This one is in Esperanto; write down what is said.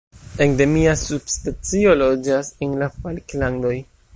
Endemia subspecio loĝas en la Falklandoj.